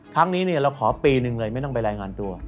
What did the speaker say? ครั้งนี้เราขอปีหนึ่งเลยไม่ต้องไปรายงานตัว